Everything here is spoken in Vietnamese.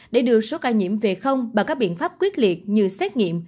để đưa số ca nhiễm về không bằng các biện pháp quyết liệt như xét nghiệm